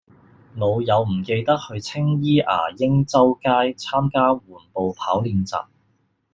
老友唔記得去青衣牙鷹洲街參加緩步跑練習